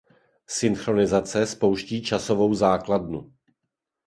Synchronizace spouští časovou základnu.